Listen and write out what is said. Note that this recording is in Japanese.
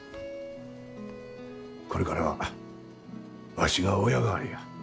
これからはワシが親代わりや。